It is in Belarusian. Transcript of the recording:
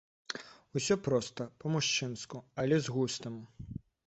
Усё проста, па-мужчынску, але з густам.